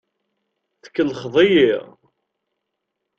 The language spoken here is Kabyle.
Tkellxeḍ-iyi.